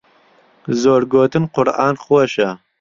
زۆر گۆتن قورئان خۆشە.